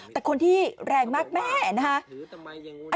แต่คนที่แรงมากแม่นะคะ